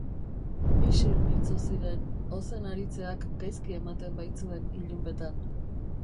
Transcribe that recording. Isil mintzo ziren, ozen aritzeak gaizki ematen baitzuen ilunpetan.